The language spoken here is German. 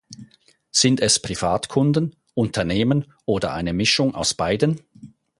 Sind es Privatkunden, Unternehmen oder eine Mischung aus beiden?